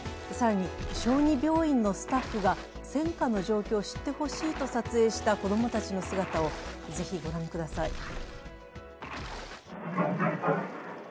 更に小児病院のスタッフが戦火の状況を知ってほしいと撮影した子供たちの姿をぜひ御覧ください。